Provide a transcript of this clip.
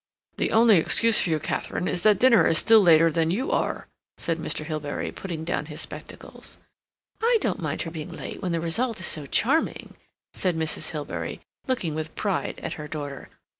"The only excuse for you, Katharine, is that dinner is still later than you are," said Mr. Hilbery, putting down his spectacles. "I don't mind her being late when the result is so charming," said Mrs. Hilbery, looking with pride at her daughter.